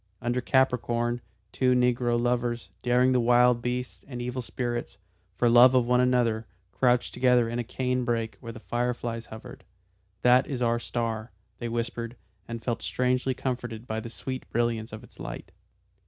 Under Capricorn, two negro lovers, daring the wild beasts and evil spirits, for love of one another, crouched together in a cane brake where the fire flies hovered. "That is our star," they whispered, and felt strangely comforted by the sweet brilliance of its light.